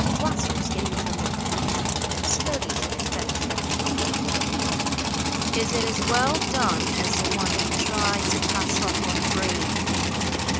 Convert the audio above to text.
Wattles gave it a look, then slowly shook his head at Frederick. "Is it as well done as the one you tried to pass off on Brady?"